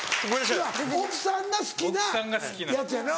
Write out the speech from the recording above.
いや奥さんが好きなやつやな。